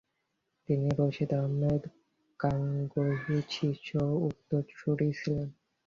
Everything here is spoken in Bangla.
তিনি রশিদ আহমদ গাঙ্গোহীর শিষ্য ও উত্তরসূরি ছিলেন।